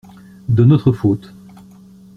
De notre faute.